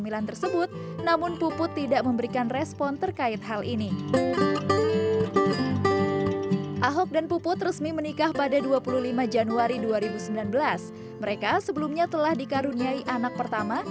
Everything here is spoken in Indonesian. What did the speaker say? mereka sebelumnya telah dikaruniai anak pertama